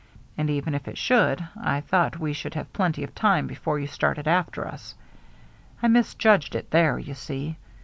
And eren if it shoold, I th/yught we should have plentr of dme before yoa started after us, I misjudged it there, you «ee.